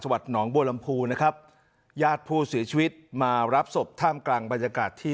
วัดหนองบัวลำพูนะครับญาติผู้เสียชีวิตมารับศพท่ามกลางบรรยากาศที่